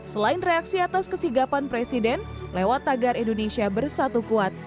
selain reaksi atas kesigapan presiden lewat tagar indonesia bersatu kuat